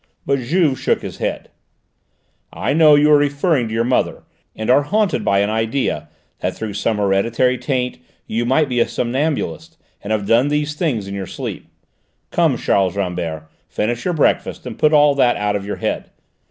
But Juve shook his head. "I know: you are referring to your mother, and are haunted by an idea that through some hereditary taint you might be a somnambulist and have done these things in your sleep. Come, Charles Rambert, finish your breakfast and put all that out of your head.